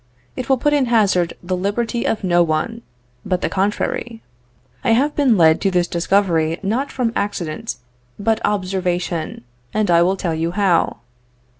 It will put in hazard the liberty of no one; but the contrary. I have been led to this discovery not from accident, but observation, and I will tell you how.